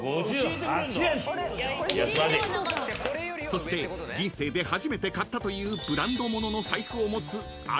［そして人生で初めて買ったというブランド物の財布を持つあんりさんは？］